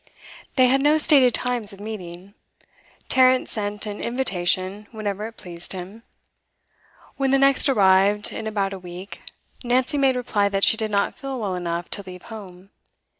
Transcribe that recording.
They had no stated times of meeting. Tarrant sent an invitation whenever it pleased him. When the next arrived, in about a week, Nancy made reply that she did not feel well enough to leave home.